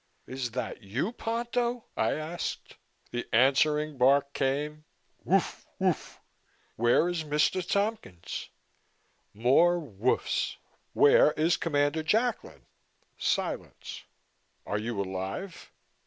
"Is that you, Ponto?" I asked. The answering bark came "Woof! Woof!" "Where is Mr. Tompkins?" More "woofs." "Where is Commander Jacklin?" Silence. "Are you alive?"